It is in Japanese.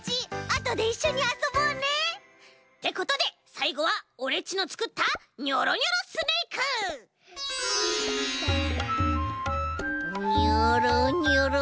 あとでいっしょにあそぼうね！ってことでさいごはオレっちのつくったニョロニョロスネーク！ニョロニョロ。